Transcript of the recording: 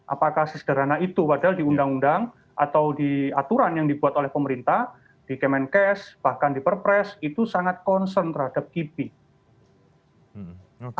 apakah sesederhana itu padahal di undang undang atau di aturan yang dibuat oleh pemerintah di kemenkes bahkan di perpres itu sangat concern terhadap kipi